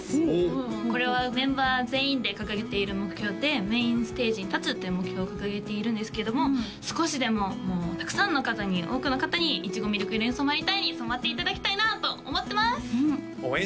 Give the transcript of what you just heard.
ほうこれはメンバー全員で掲げている目標でメインステージに立つという目標を掲げているんですけども少しでももうたくさんの方に多くの方にいちごみるく色に染まりたい。に染まっていただきたいなと思ってます！